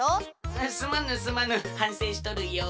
すまぬすまぬはんせいしとるよ。